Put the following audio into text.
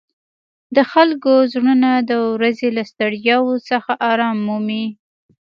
د خلکو زړونه د ورځې له ستړیاوو څخه آرام مومي.